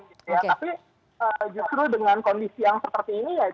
tapi justru dengan kondisi yang seperti ini ya